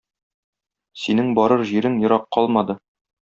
Синең барыр җирең ерак калмады.